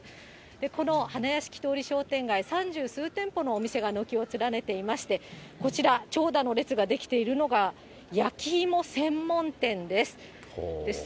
この花やしき通り商店街、三十数店舗のお店が軒を連ねていまして、こちら、長蛇の列が出来ているのが、焼き芋専門店です。